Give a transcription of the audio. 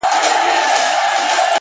د باران وروسته خټې تل نوی شکل اخلي,